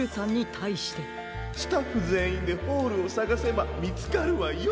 かいそうスタッフぜんいんでホールをさがせばみつかるわよ。